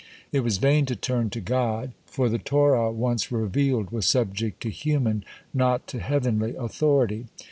It was vain to turn to God, for the Torah once revealed was subject to human, not to heavenly, authority.